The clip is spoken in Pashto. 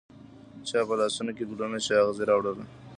چا په لاسونوکې ګلونه، چااغزي راوړله